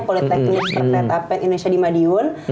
politeknik perkeretaan indonesia di madiun